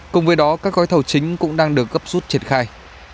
cùng với đó các gói thầu chính cũng đang được gấp rút triển khai